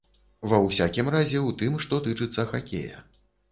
Ва ўсякім разе, у тым, што тычыцца хакея.